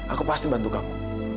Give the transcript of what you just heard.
aku pasti bantu kamu